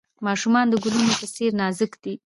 ماشومان د ګلونو په څیر نازک دي.